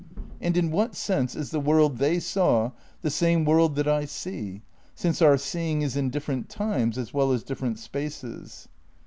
And in what sense is the world they saw the same world that I see, since our seeing is in different times as well as different spaces?